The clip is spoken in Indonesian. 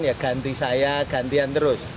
ya ganti saya gantian terus